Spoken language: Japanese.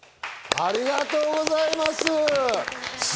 ありがとうございます。